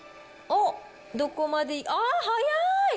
あっ、どこまで、あっ、早い。